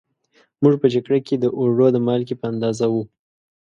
موږ په جگړه کې د اوړو د مالگې په اندازه وو